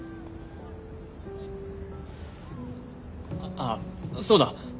あっそうだ。